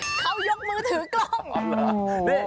เขายกมือถือกล้อง